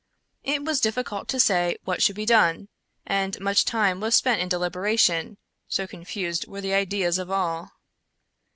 It was difficult to say what should be done, and much time was spent in deliberation — so confused were the ideas of all.